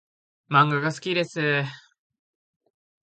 漫画が好きです